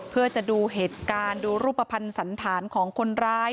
เพื่อจะดูเหตุการณ์ดูรูปภัณฑ์สันธารของคนร้าย